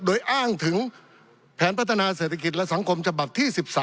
โดยอ้างถึงแผนพัฒนาเศรษฐกิจและสังคมฉบับที่๑๓